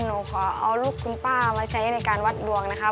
หนูขอเอารูปคุณป้ามาใช้ในการวัดดวงนะคะ